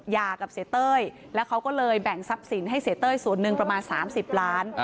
ยากับเศรษฐ์เตยแล้วเขาก็เลยแบ่งทรัพย์สินให้เศรษฐ์เตยสวดนึงประมาณ๓๐ล้าน